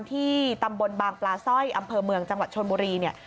ที่ตำบลบางปลาสร้อยอำเภอเมืองจังหวัดชนบุรีเนี่ย